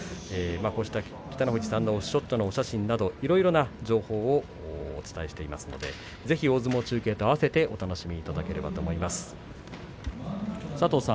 北の富士さんのオフショットのお写真などいろいろな情報をお伝えしていますのでぜひ大相撲中継と合わせてお楽しみいただければと思います。